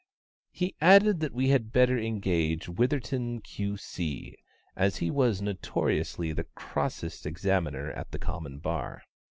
He added, that we had better engage WITHERINGTON, Q.C., as he was notoriously the crossest examiner at the Common Bar.